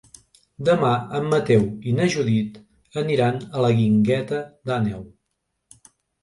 Demà en Mateu i na Judit aniran a la Guingueta d'Àneu.